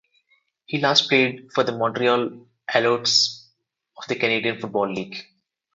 He last played for the Montreal Alouettes of the Canadian Football League.